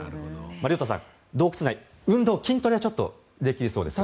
亮太さん、洞窟内運動、筋トレはできそうですけど。